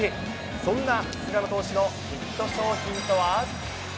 そんな菅野投手のヒット商品とは？